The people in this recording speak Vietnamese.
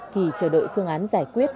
thì chờ đợi phương án giải quyết